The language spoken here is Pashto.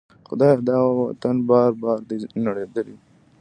خدایه! دا وطن بار بار دی نړیدلی